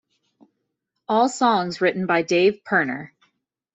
All songs written by Dave Pirner.